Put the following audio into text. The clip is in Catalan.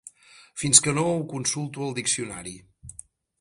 Fins que no ho consulto al diccionari.